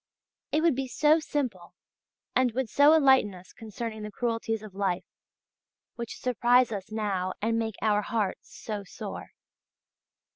It would be so simple, and would so enlighten us concerning the cruelties of life, which surprise us now and make our hearts so sore.